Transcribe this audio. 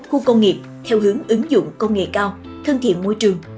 khu công nghiệp theo hướng ứng dụng công nghệ cao thân thiện môi trường